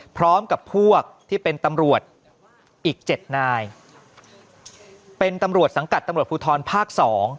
พร้อมกับพวกที่เป็นตำรวจอีก๗นายเป็นตำรวจสังกัดตำรวจภูทรภาค๒